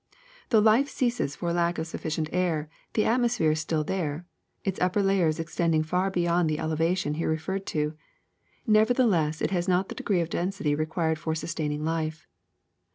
^^ Though ]ife ceases for lack of sufficient air, the atmosphere is still there, its upper layers extending far beyond the elevation here referred to ; neverthe less it has not the degree of density required for sus taining life.